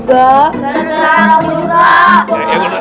gara gara aku juga